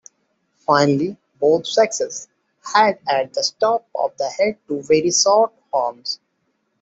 Finally, both sexes had at the top of the head two very short horns.